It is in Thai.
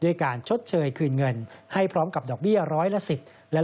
ด้วยการชดเชยขึ้นเงินให้กับดอกเบี้ย๑๐๐ละ๑๐